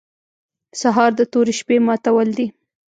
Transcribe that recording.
سهار د تورې شپې ماتول دي.